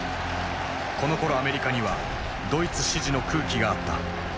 このころアメリカにはドイツ支持の空気があった。